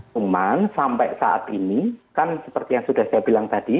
cuman sampai saat ini kan seperti yang sudah saya bilang tadi